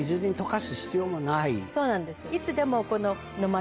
そうなんです。